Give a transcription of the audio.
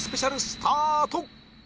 スタート！